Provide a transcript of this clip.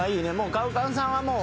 ＣＯＷＣＯＷさんはもう。